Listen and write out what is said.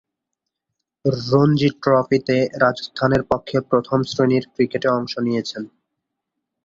রঞ্জী ট্রফিতে রাজস্থানের পক্ষে প্রথম-শ্রেণীর ক্রিকেটে অংশ নিয়েছেন।